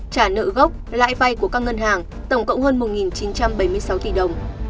trả nợ gốc lãi vay của các ngân hàng tổng cộng hơn một chín trăm bảy mươi sáu tỷ đồng